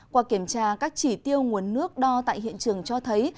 qua kiểm tra các chỉ tiêu nguồn nước đo tại hiện trường cho thấy